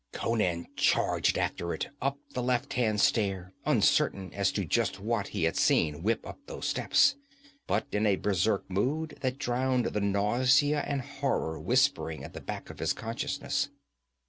Conan charged after it, up the left hand stair, uncertain as to just what he had seen whip up those steps, but in a berserk mood that drowned the nausea and horror whispering at the back of his consciousness.